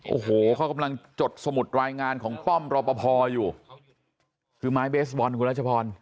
โอ้โหเขากำลังจดสมุดรายงานของป้อมรอปภอยู่คือไม้เบสบอลคุณรัชพร